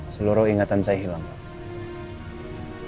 seluruh ingatan saya hilang